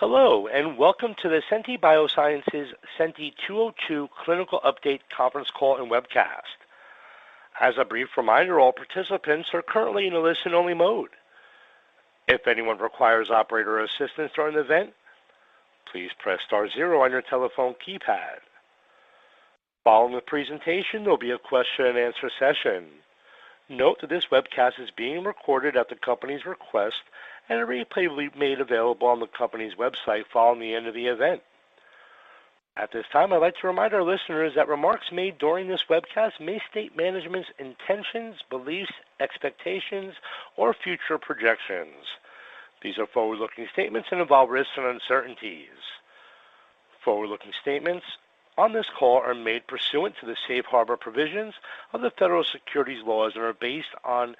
Hello, and welcome to the Senti Biosciences Senti 202 Clinical Update Conference Call and Webcast. As a brief reminder, all participants are currently in a listen-only mode. If anyone requires operator assistance during the event, please press star zero on your telephone keypad. Following the presentation, there will be a question-and-answer session. Note that this webcast is being recorded at the company's request, and a replay will be made available on the company's website following the end of the event. At this time, I'd like to remind our listeners that remarks made during this webcast may state management's intentions, beliefs, expectations, or future projections. These are forward-looking statements and involve risks and uncertainties. Forward-looking statements on this call are made pursuant to the safe harbor provisions of the federal securities laws and are based on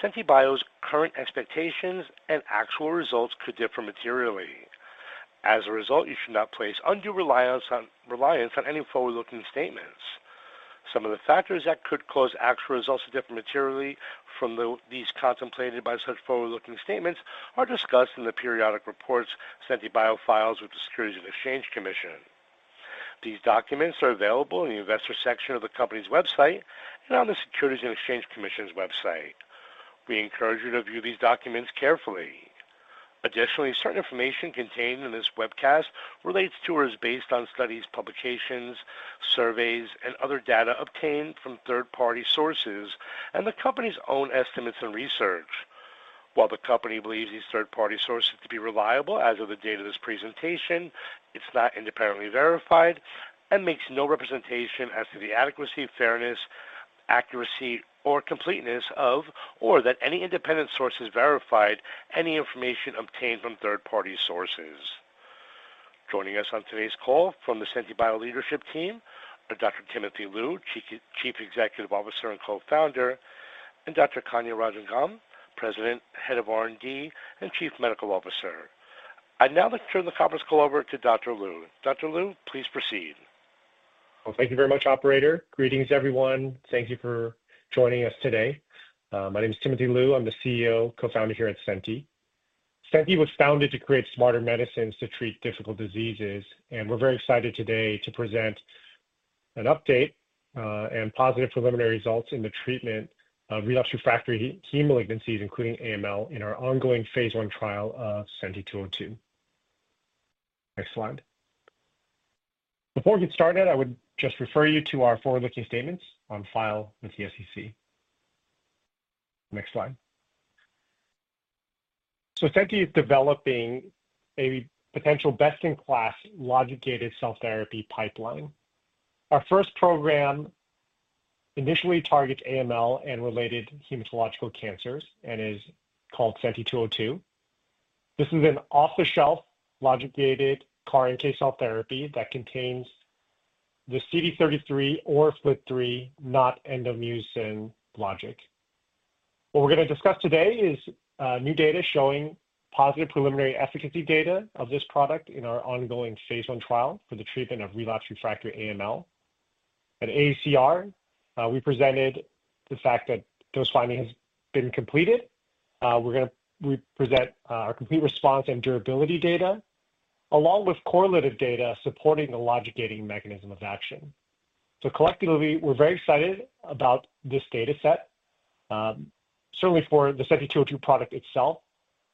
Senti Biosciences' current expectations, and actual results could differ materially. As a result, you should not place undue reliance on any forward-looking statements. Some of the factors that could cause actual results to differ materially from these contemplated by such forward-looking statements are discussed in the periodic reports Senti Biosciences files with the Securities and Exchange Commission. These documents are available in the investor section of the company's website and on the Securities and Exchange Commission's website. We encourage you to view these documents carefully. Additionally, certain information contained in this webcast relates to or is based on studies, publications, surveys, and other data obtained from third-party sources, and the company's own estimates and research. While the company believes these third-party sources to be reliable as of the date of this presentation, it has not independently verified and makes no representation as to the adequacy, fairness, accuracy, or completeness of, or that any independent source has verified any information obtained from third-party sources. Joining us on today's call from the Senti Biosciences leadership team are Dr. Timothy Lu, Chief Executive Officer and Co-founder, and Dr. Kanya Rajangam, President, Head of R&D, and Chief Medical Officer. I'd now like to turn the conference call over to Dr. Lu. Dr. Lu, please proceed. Thank you very much, Operator. Greetings, everyone. Thank you for joining us today. My name is Timothy Lu. I'm the CEO, Co-founder here at Senti. Senti was founded to create smarter medicines to treat difficult diseases, and we're very excited today to present an update and positive preliminary results in the treatment of relapsed refractory hemolignancies, including AML, in our ongoing phase one trial of Senti 202. Next slide. Before we get started, I would just refer you to our forward-looking statements on file with the SEC. Next slide. Senti is developing a potential best-in-class logic-gated cell therapy pipeline. Our first program initially targets AML and related hematological cancers and is called Senti 202. This is an off-the-shelf logic-gated CAR-NK cell therapy that contains the CD33 or FLT3 NOT endomucin logic. What we're going to discuss today is new data showing positive preliminary efficacy data of this product in our ongoing phase one trial for the treatment of relapse refractory AML. At AACR, we presented the fact that those findings have been completed. We are going to present our complete response and durability data along with correlative data supporting the logic-gating mechanism of action. Collectively, we are very excited about this data set, certainly for the Senti 202 product itself,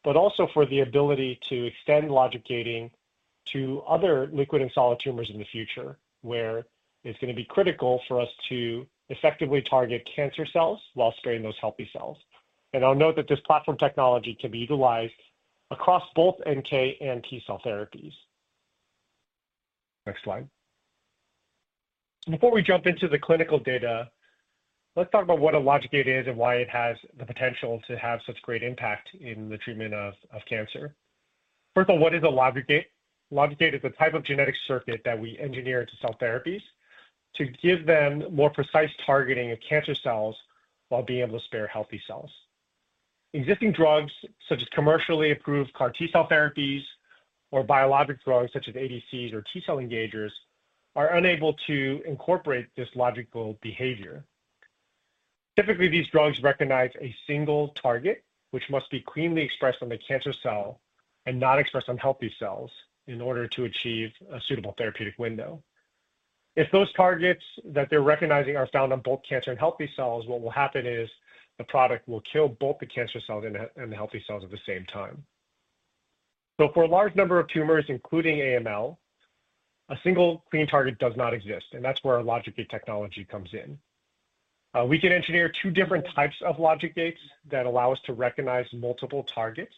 but also for the ability to extend logic-gating to other liquid and solid tumors in the future, where it is going to be critical for us to effectively target cancer cells while sparing those healthy cells. I will note that this platform technology can be utilized across both NK and T cell therapies. Next slide. Before we jump into the clinical data, let's talk about what a logic gate is and why it has the potential to have such great impact in the treatment of cancer. First of all, what is a logic gate? Logic gate is a type of genetic circuit that we engineer into cell therapies to give them more precise targeting of cancer cells while being able to spare healthy cells. Existing drugs, such as commercially approved CAR T cell therapies or biologic drugs, such as ADCs or T cell engagers, are unable to incorporate this logical behavior. Typically, these drugs recognize a single target, which must be cleanly expressed on the cancer cell and not expressed on healthy cells in order to achieve a suitable therapeutic window. If those targets that they're recognizing are found on both cancer and healthy cells, what will happen is the product will kill both the cancer cells and the healthy cells at the same time. For a large number of tumors, including AML, a single clean target does not exist, and that's where our logic gate technology comes in. We can engineer two different types of logic gates that allow us to recognize multiple targets.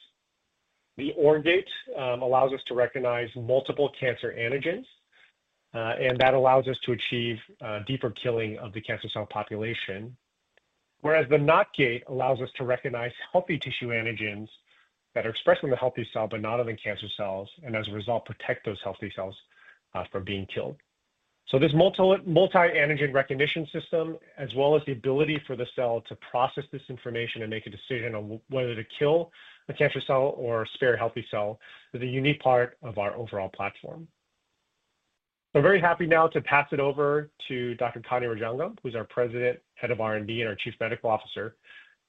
The OR gate allows us to recognize multiple cancer antigens, and that allows us to achieve deeper killing of the cancer cell population, whereas the NOT gate allows us to recognize healthy tissue antigens that are expressed on the healthy cell but not on the cancer cells, and as a result, protect those healthy cells from being killed. This multi-antigen recognition system, as well as the ability for the cell to process this information and make a decision on whether to kill the cancer cell or spare healthy cell, is a unique part of our overall platform. I'm very happy now to pass it over to Dr. Kanya Rajangam, who's our President, Head of R&D, and our Chief Medical Officer,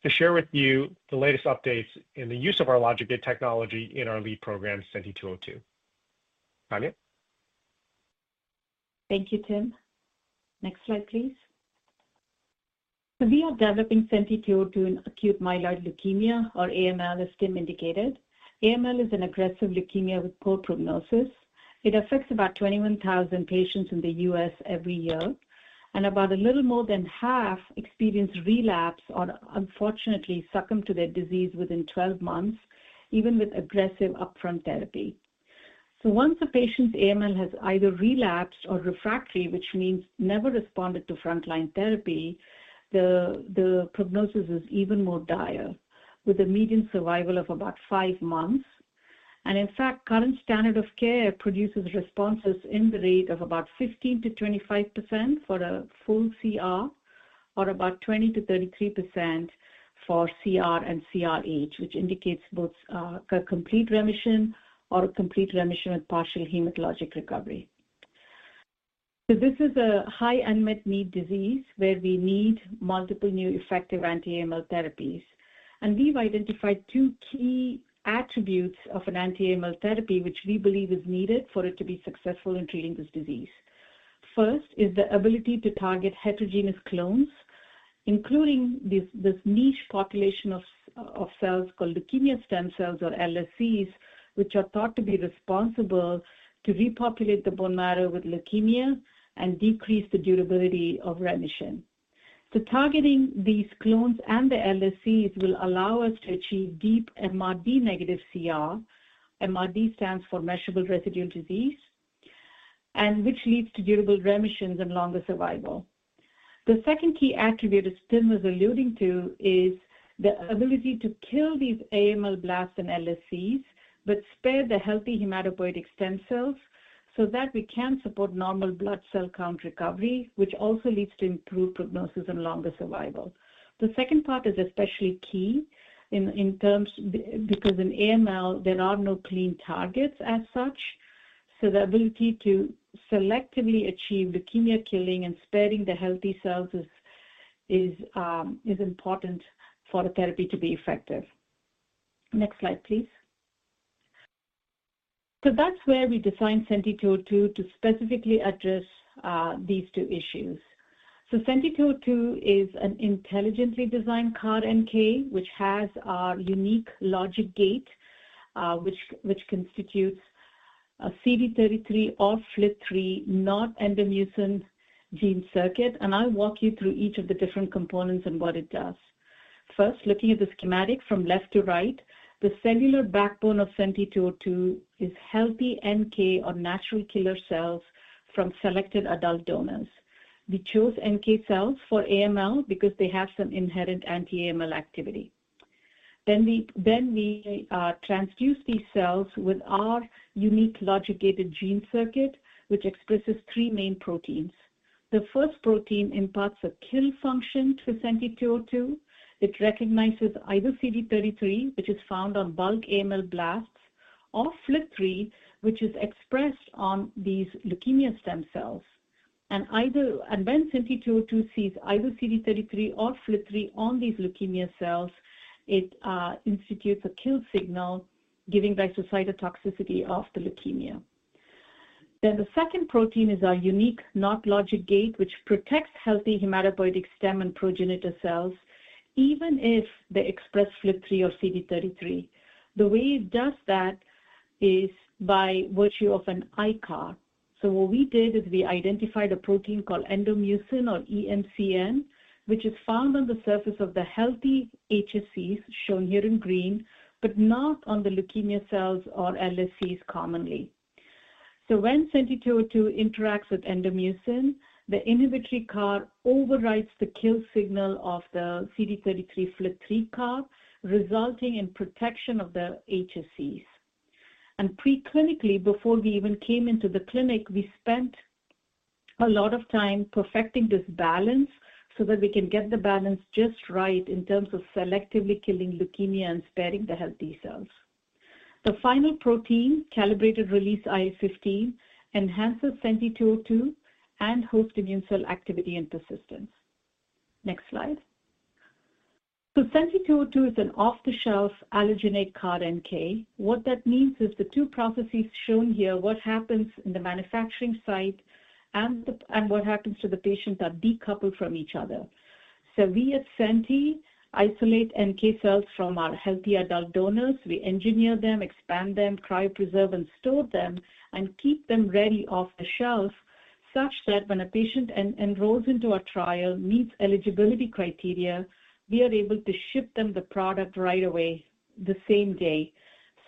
to share with you the latest updates in the use of our logic gate technology in our lead program, Senti 202. Kanya. Thank you, Tim. Next slide, please. We are developing Senti 202 in acute myeloid leukemia, or AML, as Tim indicated. AML is an aggressive leukemia with poor prognosis. It affects about 21,000 patients in the US every year, and about a little more than half experience relapse or unfortunately succumb to their disease within 12 months, even with aggressive upfront therapy. Once a patient's AML has either relapsed or is refractory, which means never responded to frontline therapy, the prognosis is even more dire, with a median survival of about five months. In fact, current standard of care produces responses in the rate of about 15-25% for a full CR, or about 20-33% for CR and CRh, which indicates both a complete remission or a complete remission with partial hematologic recovery. This is a high unmet need disease where we need multiple new effective anti-AML therapies. We've identified two key attributes of an anti-AML therapy which we believe is needed for it to be successful in treating this disease. First is the ability to target heterogeneous clones, including this niche population of cells called leukemia stem cells, or LSCs, which are thought to be responsible to repopulate the bone marrow with leukemia and decrease the durability of remission. Targeting these clones and the LSCs will allow us to achieve deep MRD negative CR. MRD stands for measurable residual disease, which leads to durable remissions and longer survival. The second key attribute Tim was alluding to is the ability to kill these AML blasts and LSCs but spare the healthy hematopoietic stem cells so that we can support normal blood cell count recovery, which also leads to improved prognosis and longer survival. The second part is especially key in terms because in AML, there are no clean targets as such. The ability to selectively achieve leukemia killing and sparing the healthy cells is important for a therapy to be effective. Next slide, please. That is where we designed Senti 202 to specifically address these two issues. Senti 202 is an intelligently designed CAR-NK, which has our unique logic gate, which constitutes a CD33 or FLT3 NOT endomucin gene circuit. I will walk you through each of the different components and what it does. First, looking at the schematic from left to right, the cellular backbone of Senti 202 is healthy NK or natural killer cells from selected adult donors. We chose NK cells for AML because they have some inherent anti-AML activity. We transduce these cells with our unique logic-gated gene circuit, which expresses three main proteins. The first protein imparts a kill function to Senti 202. It recognizes either CD33, which is found on bulk AML blasts, or FLT3, which is expressed on these leukemia stem cells. When Senti 202 sees either CD33 or FLT3 on these leukemia cells, it institutes a kill signal, giving rise to cytotoxicity of the leukemia. The second protein is our unique NOT logic gate, which protects healthy hematopoietic stem and progenitor cells, even if they express FLT3 or CD33. The way it does that is by virtue of an ICAR. What we did is we identified a protein called endomucin, or EMCN, which is found on the surface of the healthy HSCs, shown here in green, but not on the leukemia cells or LSCs commonly. When Senti 202 interacts with endomucin, the inhibitory CAR overrides the kill signal of the CD33 FLT3 CAR, resulting in protection of the HSCs. Pre-clinically, before we even came into the clinic, we spent a lot of time perfecting this balance so that we can get the balance just right in terms of selectively killing leukemia and sparing the healthy cells. The final protein, calibrated release IL-15, enhances Senti 202 and host immune cell activity and persistence. Next slide. Senti 202 is an off-the-shelf allogeneic CAR-NK. What that means is the two processes shown here, what happens in the manufacturing site and what happens to the patient, are decoupled from each other. We at Senti isolate NK cells from our healthy adult donors. We engineer them, expand them, cryopreserve, and store them, and keep them ready off the shelf such that when a patient enrolls into our trial, meets eligibility criteria, we are able to ship them the product right away the same day.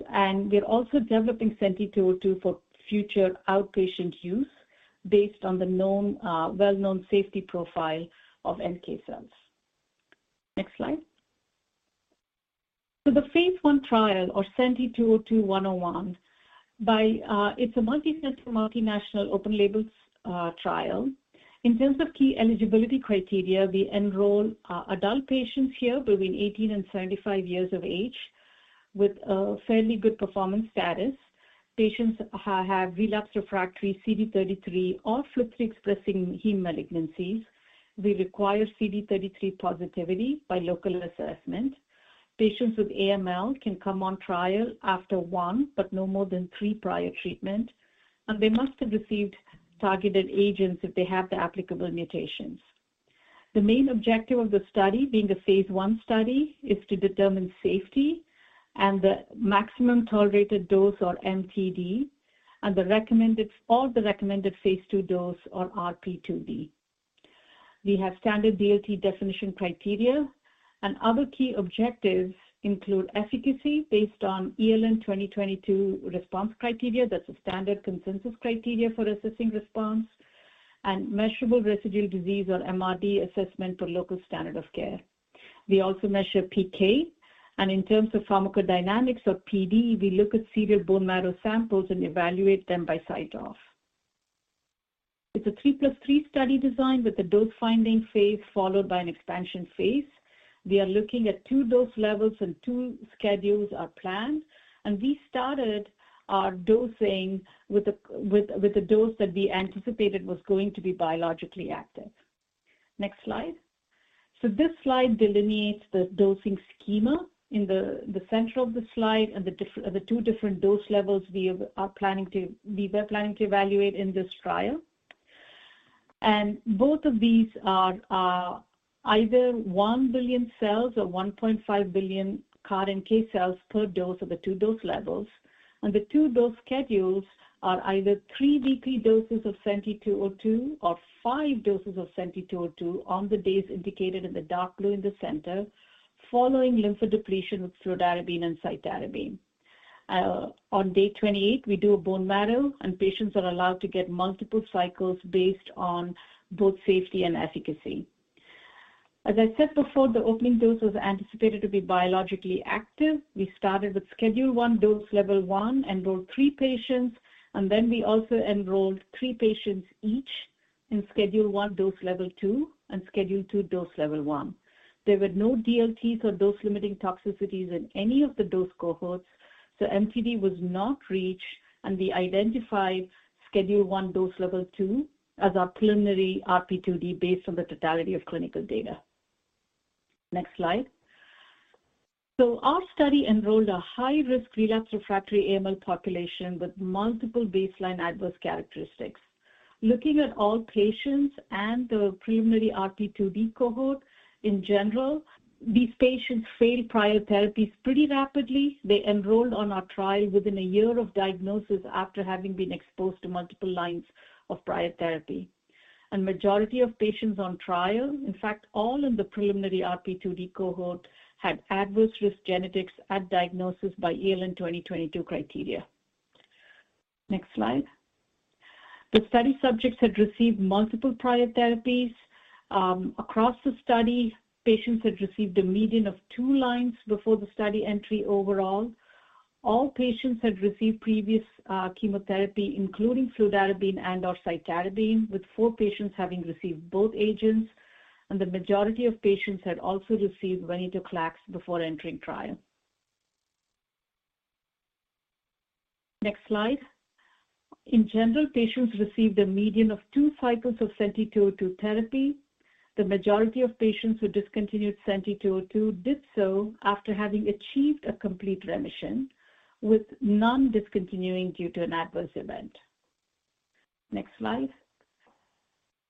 We are also developing Senti 202 for future outpatient use based on the well-known safety profile of NK cells. Next slide. The phase one trial, or Senti 202 101, is a multicentral, multinational, open-label trial. In terms of key eligibility criteria, we enroll adult patients here between 18 and 75 years of age with a fairly good performance status. Patients have relapse refractory CD33 or FLT3 expressing heme malignancies. We require CD33 positivity by local assessment. Patients with AML can come on trial after one but no more than three prior treatments. They must have received targeted agents if they have the applicable mutations. The main objective of the study, being a phase one study, is to determine safety and the maximum tolerated dose, or MTD, and the recommended or the recommended phase two dose, or RP2D. We have standard DLT definition criteria. Other key objectives include efficacy based on ELN 2022 response criteria. That's a standard consensus criteria for assessing response and measurable residual disease, or MRD, assessment for local standard of care. We also measure PK. In terms of pharmacodynamics, or PD, we look at serial bone marrow samples and evaluate them by site-off. It's a 3 plus 3 study design with a dose finding phase followed by an expansion phase. We are looking at two dose levels, and two schedules are planned. We started our dosing with a dose that we anticipated was going to be biologically active. Next slide. This slide delineates the dosing schema in the center of the slide and the two different dose levels we were planning to evaluate in this trial. Both of these are either 1 billion cells or 1.5 billion CAR-NK cells per dose of the two dose levels. The two dose schedules are either three weekly doses of Senti 202 or five doses of Senti 202 on the days indicated in the dark blue in the center following lymphodepletion with fludarabine and cytarabine. On day 28, we do a bone marrow, and patients are allowed to get multiple cycles based on both safety and efficacy. As I said before, the opening dose was anticipated to be biologically active. We started with schedule one dose level one, enrolled three patients, and then we also enrolled three patients each in schedule one dose level two and schedule two dose level one. There were no DLTs or dose-limiting toxicities in any of the dose cohorts, so MTD was not reached. We identified schedule one dose level two as our preliminary RP2D based on the totality of clinical data. Next slide. Our study enrolled a high-risk relapse refractory AML population with multiple baseline adverse characteristics. Looking at all patients and the preliminary RP2D cohort in general, these patients failed prior therapies pretty rapidly. They enrolled on our trial within a year of diagnosis after having been exposed to multiple lines of prior therapy. The majority of patients on trial, in fact, all in the preliminary RP2D cohort, had adverse risk genetics at diagnosis by ELN 2022 criteria. Next slide. The study subjects had received multiple prior therapies. Across the study, patients had received a median of two lines before the study entry overall. All patients had received previous chemotherapy, including fludarabine and/or cytarabine, with four patients having received both agents. The majority of patients had also received venetoclax before entering trial. Next slide. In general, patients received a median of two cycles of Senti 202 therapy. The majority of patients who discontinued Senti 202 did so after having achieved a complete remission, with none discontinuing due to an adverse event. Next slide.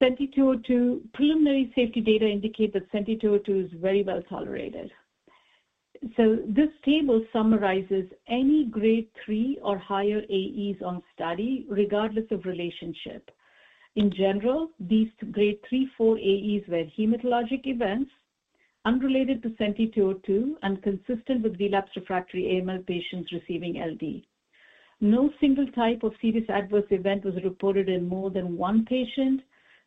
Senti 202 preliminary safety data indicate that Senti 202 is very well tolerated. This table summarizes any grade 3 or higher AEs on study, regardless of relationship. In general, these grade 3, 4 AEs were hematologic events, unrelated to Senti 202, and consistent with relapse refractory AML patients receiving LD. No single type of serious adverse event was reported in more than one patient.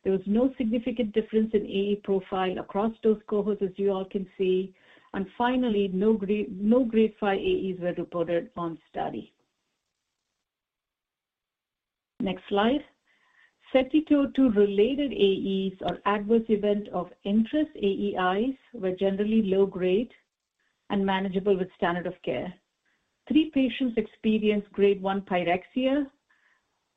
There was no significant difference in AE profile across those cohorts, as you all can see. Finally, no grade 5 AEs were reported on study. Next slide. Senti 202 related AEs or adverse event of interest, AEIs, were generally low grade and manageable with standard of care. Three patients experienced grade 1 pyrexia,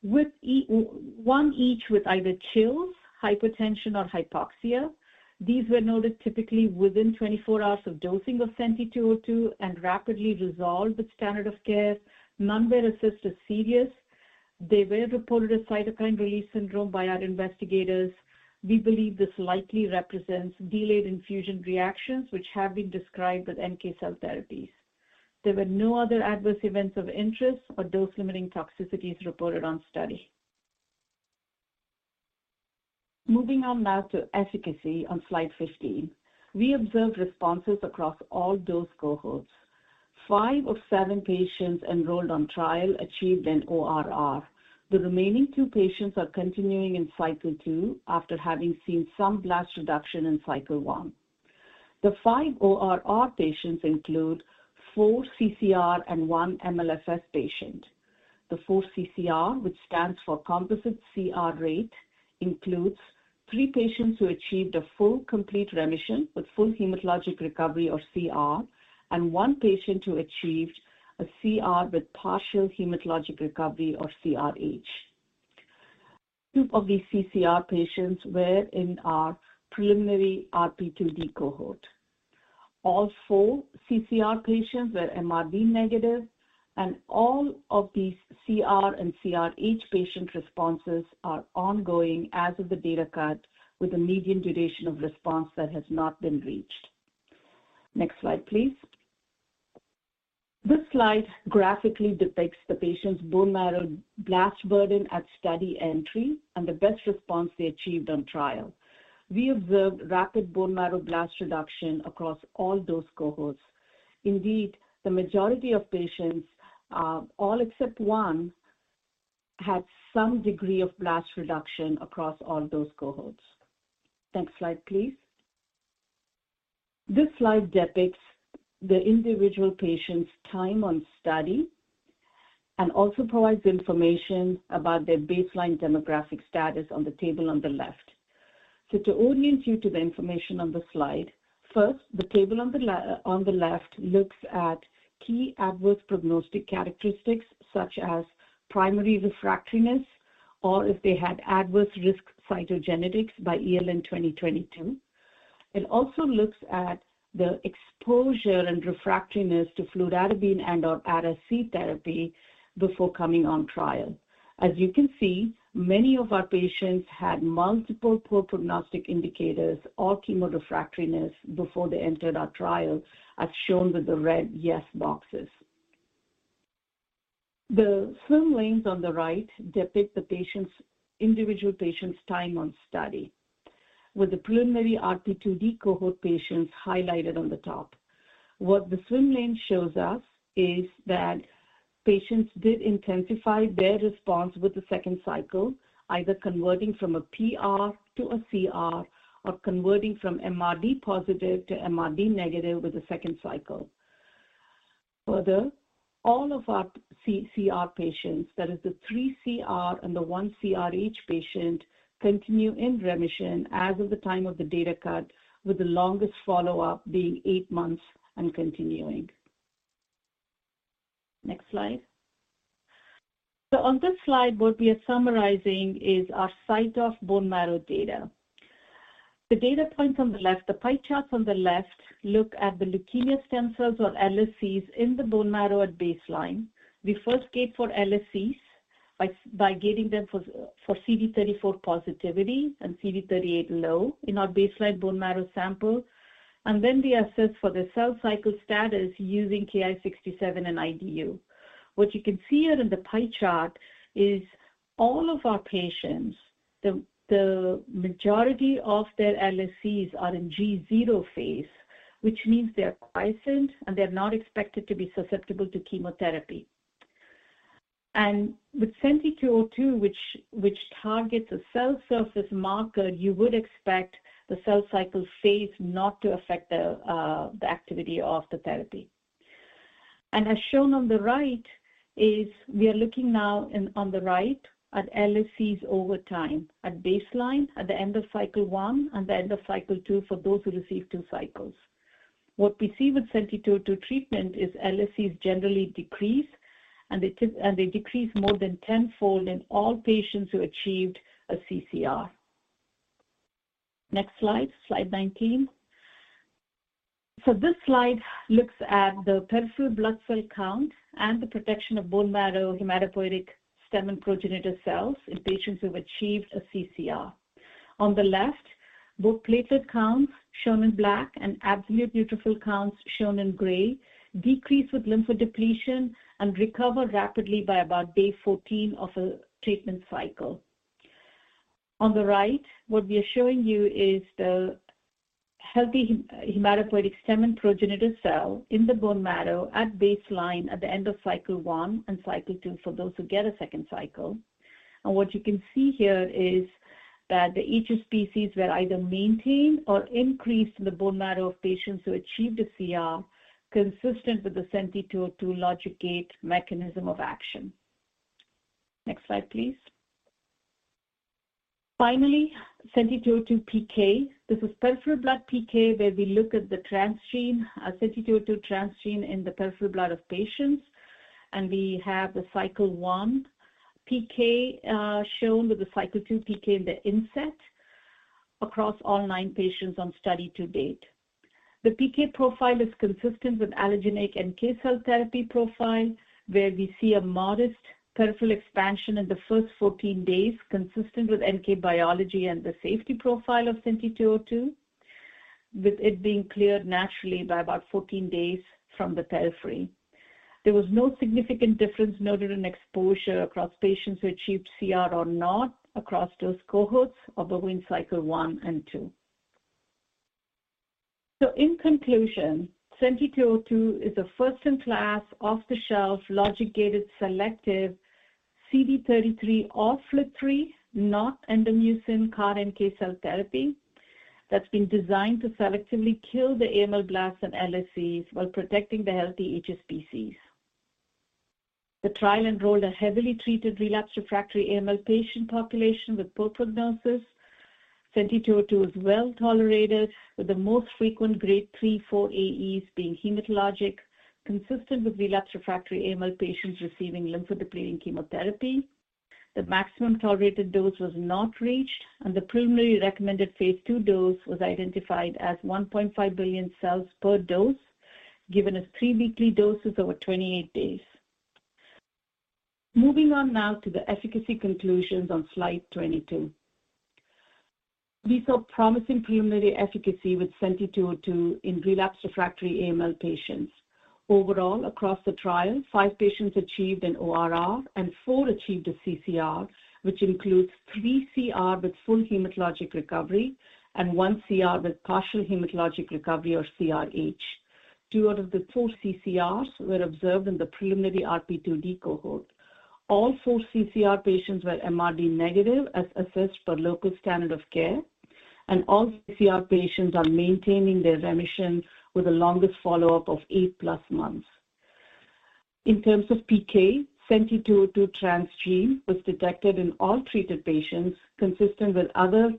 one each with either chills, hypotension, or hypoxia. These were noted typically within 24 hours of dosing of Senti 202 and rapidly resolved with standard of care. None were assessed as serious. They were reported as cytokine release syndrome by our investigators. We believe this likely represents delayed infusion reactions, which have been described with NK cell therapies. There were no other adverse events of interest or dose-limiting toxicities reported on study. Moving on now to efficacy on slide 15. We observed responses across all dose cohorts. Five of seven patients enrolled on trial achieved an ORR. The remaining two patients are continuing in cycle two after having seen some blast reduction in cycle one. The five ORR patients include four CCR and one MLFS patient. The four CCR, which stands for composite CR rate, includes three patients who achieved a full complete remission with full hematologic recovery, or CR, and one patient who achieved a CR with partial hematologic recovery, or CRh. Two of these CCR patients were in our preliminary RP2D cohort. All four CCR patients were MRD negative. All of these CR and CRh patient responses are ongoing as of the data cut, with a median duration of response that has not been reached. Next slide, please. This slide graphically depicts the patient's bone marrow blast burden at study entry and the best response they achieved on trial. We observed rapid bone marrow blast reduction across all dose cohorts. Indeed, the majority of patients, all except one, had some degree of blast reduction across all dose cohorts. Next slide, please. This slide depicts the individual patient's time on study and also provides information about their baseline demographic status on the table on the left. To orient you to the information on the slide, first, the table on the left looks at key adverse prognostic characteristics, such as primary refractoriness or if they had adverse risk cytogenetics by ELN 2022. It also looks at the exposure and refractoriness to fludarabine and/or cytarabine therapy before coming on trial. As you can see, many of our patients had multiple poor prognostic indicators or chemorefractoriness before they entered our trial, as shown with the red yes boxes. The swim lanes on the right depict the individual patient's time on study, with the preliminary RP2D cohort patients highlighted on the top. What the swim lane shows us is that patients did intensify their response with the second cycle, either converting from a PR to a CR or converting from MRD positive to MRD negative with the second cycle. Further, all of our CCR patients, that is, the three CR and the one CRh patient, continue in remission as of the time of the data cut, with the longest follow-up being eight months and continuing. Next slide. On this slide, what we are summarizing is our site-off bone marrow data. The data points on the left, the pie charts on the left look at the leukemia stem cells, or LSCs, in the bone marrow at baseline. We first gate for LSCs by gating them for CD34 positivity and CD38 low in our baseline bone marrow sample. We assess for the cell cycle status using Ki-67 and IDU. What you can see here in the pie chart is all of our patients, the majority of their LSCs are in G0 phase, which means they are quiescent, and they're not expected to be susceptible to chemotherapy. With Senti 202, which targets a cell surface marker, you would expect the cell cycle phase not to affect the activity of the therapy. As shown on the right, we are looking now on the right at LSCs over time at baseline, at the end of cycle one, and the end of cycle two for those who received two cycles. What we see with Senti 202 treatment is LSCs generally decrease, and they decrease more than tenfold in all patients who achieved a CCR. Next slide, slide 19. This slide looks at the peripheral blood cell count and the protection of bone marrow, hematopoietic stem and progenitor cells in patients who have achieved a CCR. On the left, both platelet counts, shown in black, and absolute neutrophil counts, shown in gray, decrease with lymphodepletion and recover rapidly by about day 14 of a treatment cycle. On the right, what we are showing you is the healthy hematopoietic stem and progenitor cell in the bone marrow at baseline, at the end of cycle one, and cycle two for those who get a second cycle. What you can see here is that the HSPCs were either maintained or increased in the bone marrow of patients who achieved a CR, consistent with the Senti 202 logic gate mechanism of action. Next slide, please. Finally, Senti 202 PK. This is peripheral blood PK, where we look at the transgene, Senti 202 transgene, in the peripheral blood of patients. We have the cycle one PK shown with the cycle two PK in the inset across all nine patients on study to date. The PK profile is consistent with allogeneic NK cell therapy profile, where we see a modest peripheral expansion in the first 14 days, consistent with NK biology and the safety profile of Senti 202, with it being cleared naturally by about 14 days from the periphery. There was no significant difference noted in exposure across patients who achieved CR or not across those cohorts or between cycle one and two. In conclusion, Senti 202 is a first-in-class, off-the-shelf, logic-gated selective CD33 or FLT3, NOT endomucin CAR-NK cell therapy, that's been designed to selectively kill the AML blasts and LSCs while protecting the healthy HSPCs. The trial enrolled a heavily treated relapsed refractory AML patient population with poor prognosis. Senti 202 is well tolerated, with the most frequent grade 3, 4 AEs being hematologic, consistent with relapsed refractory AML patients receiving lymphodepleting chemotherapy. The maximum tolerated dose was not reached, and the preliminary recommended phase two dose was identified as 1.5 billion cells per dose, given as three weekly doses over 28 days. Moving on now to the efficacy conclusions on slide 22. We saw promising preliminary efficacy with Senti 202 in relapse refractory AML patients. Overall, across the trial, five patients achieved an ORR, and four achieved a CCR, which includes three CR with full hematologic recovery and one CR with partial hematologic recovery, or CRh. Two out of the four CCRs were observed in the preliminary RP2D cohort. All four CCR patients were MRD negative, as assessed per local standard of care. All CCR patients are maintaining their remission with a longest follow-up of eight plus months. In terms of PK, Senti 202 transgene was detected in all treated patients, consistent with other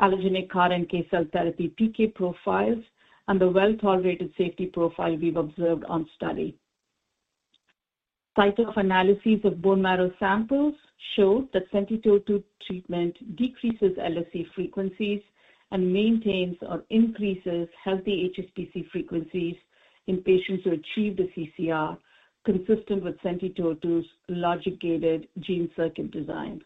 allogeneic CAR-NK cell therapy PK profiles and the well-tolerated safety profile we've observed on study. Site-off analyses of bone marrow samples show that Senti 202 treatment decreases LSC frequencies and maintains or increases healthy HSPC frequencies in patients who achieved a CCR, consistent with Senti 202's logic-gated gene circuit design.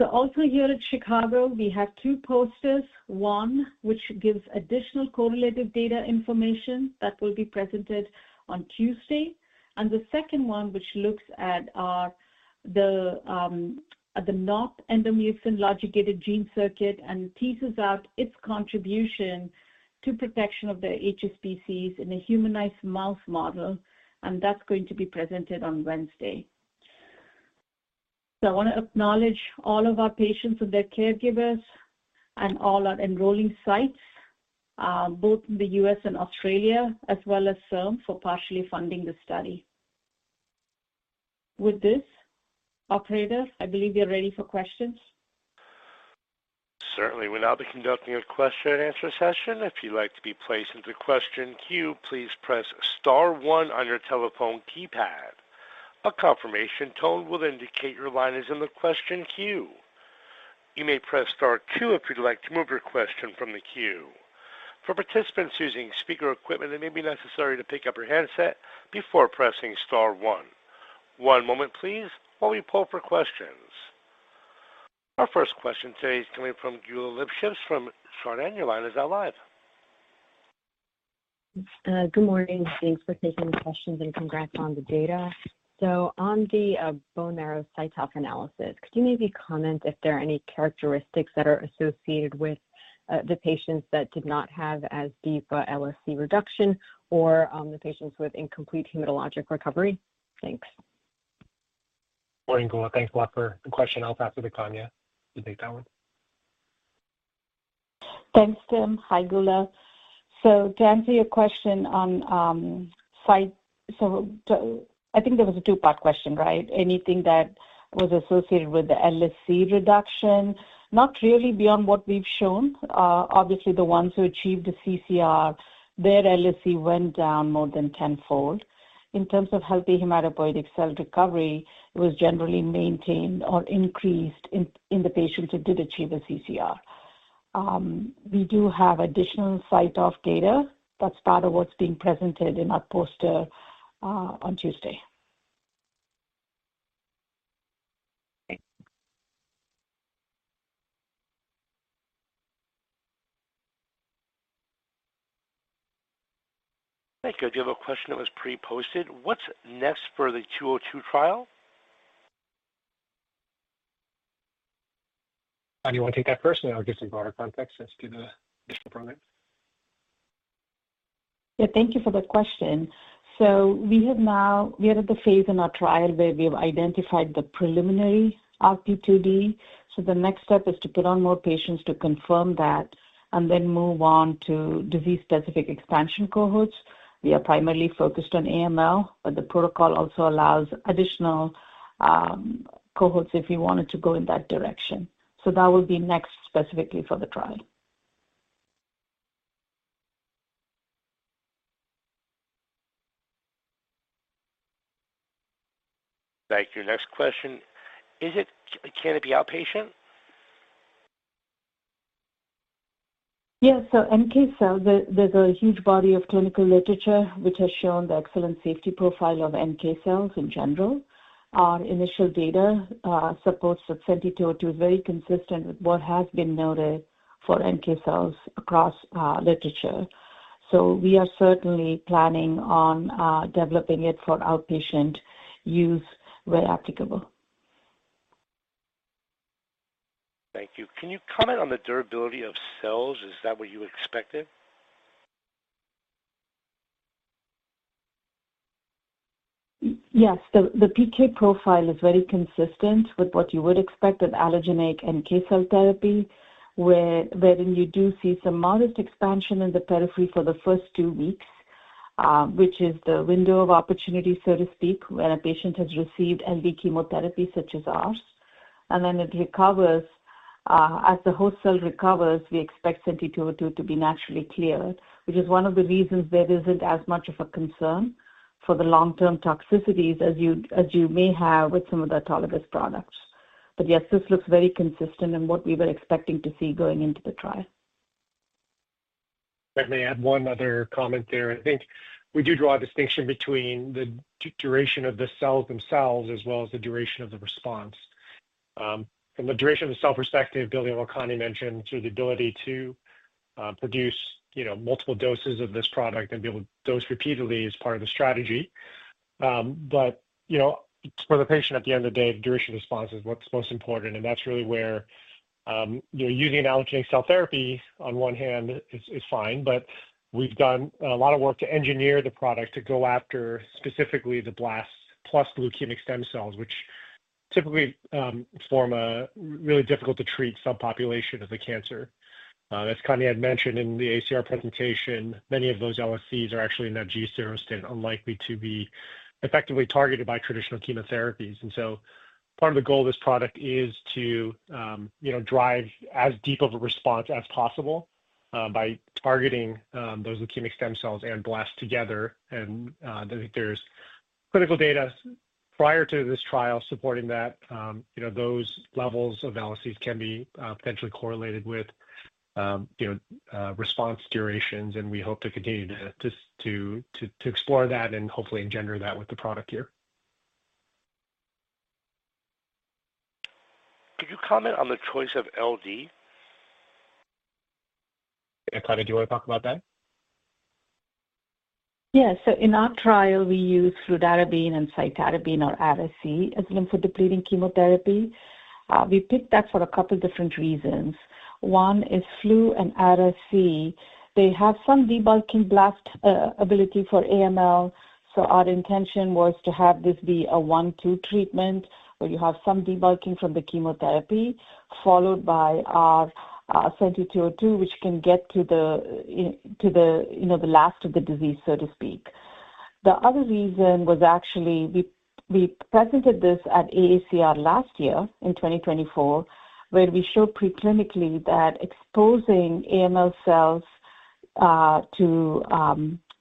Here at Chicago, we have two posters. One, which gives additional correlative data information that will be presented on Tuesday. The second one, which looks at the NOT endomucin logic-gated gene circuit and teases out its contribution to protection of the HSPCs in a humanized mouse model. That's going to be presented on Wednesday. I want to acknowledge all of our patients and their caregivers and all our enrolling sites, both in the U.S. and Australia, as well as SERM for partially funding the study. With this, operator, I believe you're ready for questions. Certainly. We'll now be conducting a question and answer session. If you'd like to be placed into the question queue, please press star one on your telephone keypad. A confirmation tone will indicate your line is in the question queue. You may press star two if you'd like to move your question from the queue. For participants using speaker equipment, it may be necessary to pick up your handset before pressing star one. One moment, please, while we pull up our questions. Our first question today is coming from Gula Lipchips from Shardan. Your line is now live. Good morning. Thanks for taking the questions and congrats on the data. On the bone marrow site-off analysis, could you maybe comment if there are any characteristics that are associated with the patients that did not have as deep a LSC reduction or the patients with incomplete hematologic recovery? Thanks. Morning, Gula. Thanks a lot for the question. I'll pass it to Kanya. You take that one. Thanks, Tim. Hi, Gula. To answer your question on site, I think there was a two-part question, right? Anything that was associated with the LSC reduction, not really beyond what we've shown. Obviously, the ones who achieved a CCR, their LSC went down more than tenfold. In terms of healthy hematopoietic cell recovery, it was generally maintained or increased in the patients who did achieve a CCR. We do have additional site-off data. That is part of what is being presented in our poster on Tuesday. Thank you. I do have a question that was pre-posted. What is next for the 202 trial? Kanya, you want to take that first, or just in broader context as to the additional programs? Yeah. Thank you for the question. We have now—we are at the phase in our trial where we have identified the preliminary RP2D. The next step is to put on more patients to confirm that and then move on to disease-specific expansion cohorts. We are primarily focused on AML, but the protocol also allows additional cohorts if we wanted to go in that direction. That will be next specifically for the trial. Thank you. Next question. Is it a canopy outpatient? Yes. NK cells, there's a huge body of clinical literature which has shown the excellent safety profile of NK cells in general. Our initial data supports that Senti 202 is very consistent with what has been noted for NK cells across literature. We are certainly planning on developing it for outpatient use where applicable. Thank you. Can you comment on the durability of cells? Is that what you expected? Yes. The PK profile is very consistent with what you would expect with allogeneic NK cell therapy, wherein you do see some modest expansion in the periphery for the first two weeks, which is the window of opportunity, so to speak, when a patient has received LD chemotherapy such as ours. It recovers. As the host cell recovers, we expect Senti 202 to be naturally cleared, which is one of the reasons there isn't as much of a concern for the long-term toxicities as you may have with some of the autologous products. Yes, this looks very consistent in what we were expecting to see going into the trial. I may add one other comment there. I think we do draw a distinction between the duration of the cells themselves as well as the duration of the response. From the duration of the cell perspective, building on what Kanya mentioned, through the ability to produce multiple doses of this product and be able to dose repeatedly as part of the strategy. For the patient, at the end of the day, the duration of response is what's most important. That's really where using allogeneic cell therapy, on one hand, is fine. We've done a lot of work to engineer the product to go after specifically the blasts plus leukemic stem cells, which typically form a really difficult-to-treat subpopulation of the cancer. As Kanya had mentioned in the ACR presentation, many of those LSCs are actually in that G0 state, unlikely to be effectively targeted by traditional chemotherapies. Part of the goal of this product is to drive as deep of a response as possible by targeting those leukemic stem cells and blasts together. I think there's clinical data prior to this trial supporting that those levels of LSCs can be potentially correlated with response durations. We hope to continue to explore that and hopefully engender that with the product here. Could you comment on the choice of LD? Yeah. Kanya, do you want to talk about that? Yeah. In our trial, we used fludarabine and cytarabine or Ara-C as lymphodepleting chemotherapy. We picked that for a couple of different reasons. One is flu and Ara-C. They have some debulking blast ability for AML. Our intention was to have this be a one-two treatment where you have some debulking from the chemotherapy followed by our Senti 202, which can get to the last of the disease, so to speak. The other reason was actually we presented this at AACR last year in 2024, where we showed pre-clinically that exposing AML cells to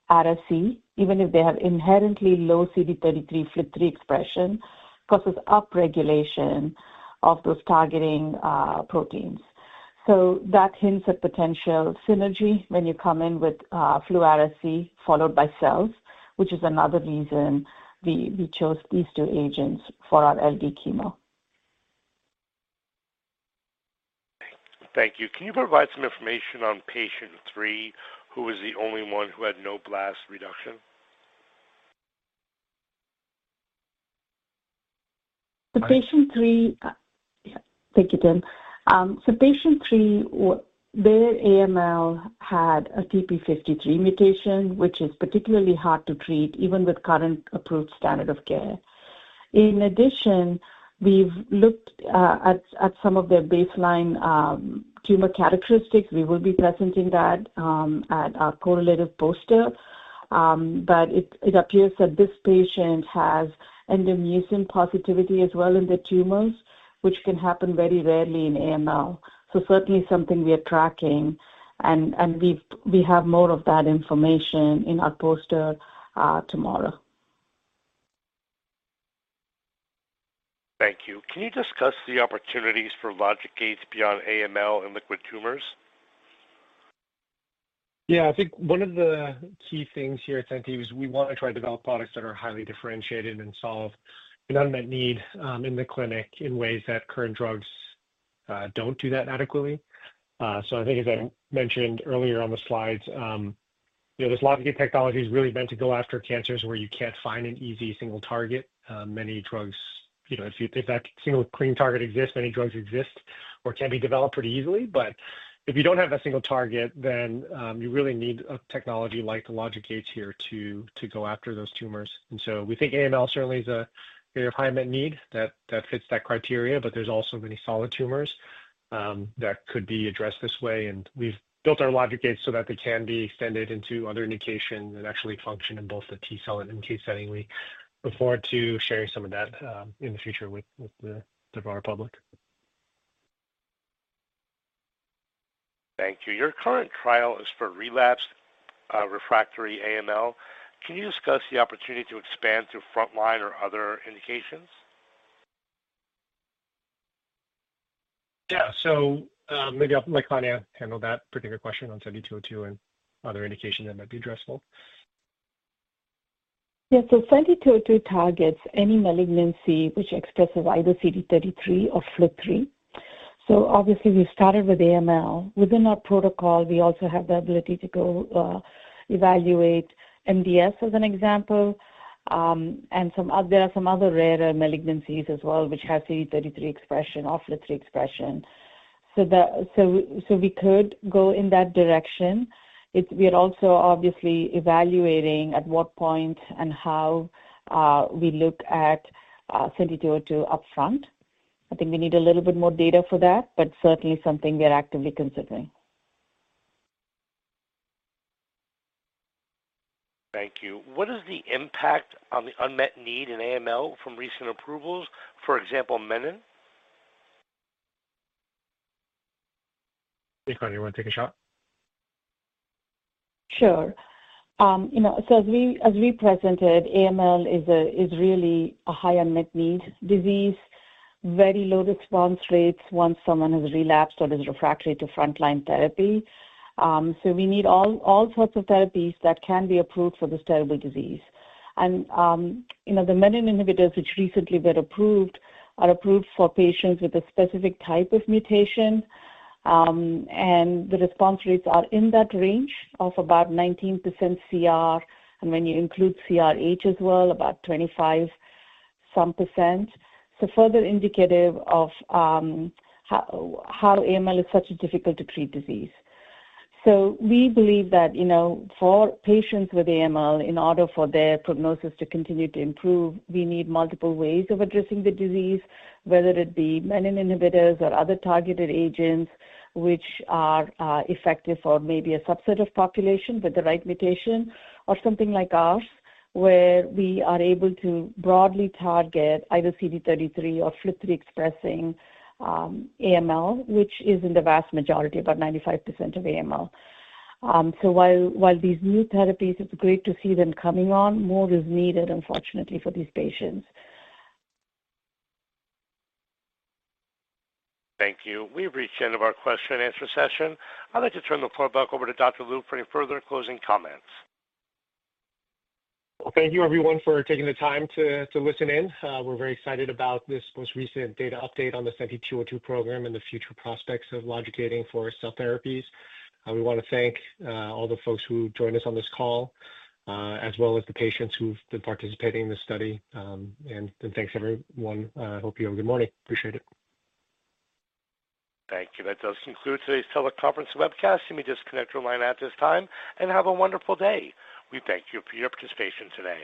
Ara-C, even if they have inherently low CD33 FLT3 expression, causes upregulation of those targeting proteins. That hints at potential synergy when you come in with flu Ara-C followed by cells, which is another reason we chose these two agents for our LD chemo. Thank you. Can you provide some information on patient three, who was the only one who had no blast reduction? Patient three—thank you, Tim. Patient three, their AML had a TP53 mutation, which is particularly hard to treat even with current approved standard of care. In addition, we've looked at some of their baseline tumor characteristics. We will be presenting that at our correlative poster. It appears that this patient has endomucin positivity as well in the tumors, which can happen very rarely in AML. Certainly something we are tracking. We have more of that information in our poster tomorrow. Thank you. Can you discuss the opportunities for logic gates beyond AML in liquid tumors? Yeah. I think one of the key things here at Senti is we want to try to develop products that are highly differentiated and solve an unmet need in the clinic in ways that current drugs don't do that adequately. I think, as I mentioned earlier on the slides, there's logic gate technology that's really meant to go after cancers where you can't find an easy single target. Many drugs, if that single clean target exists, many drugs exist or can be developed pretty easily. If you don't have that single target, then you really need a technology like the logic gates here to go after those tumors. We think AML certainly is a very high-met need that fits that criteria. There's also many solid tumors that could be addressed this way. We have built our logic gates so that they can be extended into other indications and actually function in both the T cell and NK setting. We look forward to sharing some of that in the future with the broader public. Thank you. Your current trial is for relapsed refractory AML. Can you discuss the opportunity to expand to frontline or other indications? Yeah. Maybe I will let Kanya handle that particular question on Senti 202 and other indications that might be addressable. Yeah. Senti 202 targets any malignancy which expresses either CD33 or FLT3. Obviously, we started with AML. Within our protocol, we also have the ability to go evaluate MDS, as an example. There are some other rarer malignancies as well which have CD33 expression or FLT3 expression. We could go in that direction. We are also obviously evaluating at what point and how we look at Senti 202 upfront. I think we need a little bit more data for that, but certainly something we're actively considering. Thank you. What is the impact on the unmet need in AML from recent approvals, for example, Menin? Kanya, you want to take a shot? Sure. As we presented, AML is really a high-unmet-need disease, very low response rates once someone has relapsed or is refractory to frontline therapy. We need all sorts of therapies that can be approved for this terrible disease. The Menin inhibitors, which recently were approved, are approved for patients with a specific type of mutation. The response rates are in that range of about 19% CR. When you include CRh as well, about 25% or so. Further indicative of how AML is such a difficult-to-treat disease. We believe that for patients with AML, in order for their prognosis to continue to improve, we need multiple ways of addressing the disease, whether it be menin inhibitors or other targeted agents which are effective for maybe a subset of population with the right mutation or something like ours, where we are able to broadly target either CD33 or FLT3-expressing AML, which is in the vast majority, about 95% of AML. While these new therapies, it is great to see them coming on, more is needed, unfortunately, for these patients. Thank you. We have reached the end of our question-and-answer session. I would like to turn the floor back over to Dr. Lu for any further closing comments. Thank you, everyone, for taking the time to listen in. We're very excited about this most recent data update on the Senti 202 program and the future prospects of logic gating for cell therapies. We want to thank all the folks who joined us on this call, as well as the patients who've been participating in this study. Thank you, everyone. I hope you have a good morning. Appreciate it. Thank you. That does conclude today's teleconference webcast. You may disconnect or line out at this time. Have a wonderful day. We thank you for your participation today.